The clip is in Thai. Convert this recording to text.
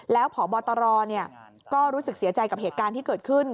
แล้วพบตรก็รู้สึกเสียใจกับเหตุการณ์ที่เกิดขึ้น